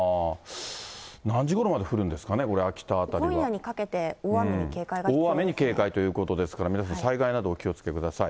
何時ごろまで降るんですかね、秋夜にかけて、大雨に警戒が必大雨に警戒ということですから、皆さん、災害などお気をつけください。